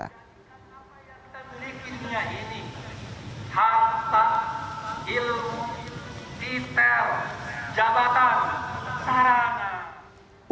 kita menikmati ini harta ilmu detail jabatan sarana